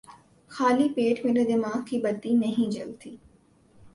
خالی پیٹ میرے دماغ کی بتی نہیں جلتی